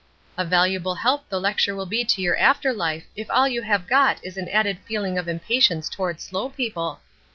"A valuable help the lecture will be to your after life if all you have got is an added feeling of impatience toward slow people.